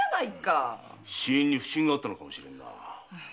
死因に不審があったのかもしれん。